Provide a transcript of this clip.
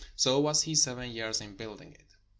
So was he seven years in building it.